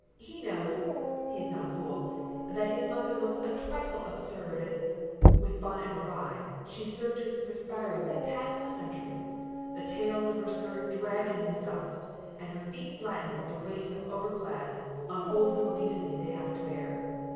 He knows he is not a fool that his mother looks a trifle absurd as, with bonnet awry, she surges perspiringly past the sentries, the tails of her skirt dragging in the dust and her feet flattened with the weight of over clad, unwholesome obesity they have to bear.